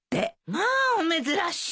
まあお珍しい。